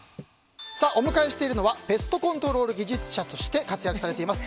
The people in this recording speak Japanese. お迎えしているのはペストコントロール技術者として活躍されています